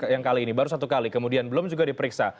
yang kali ini baru satu kali kemudian belum juga diperiksa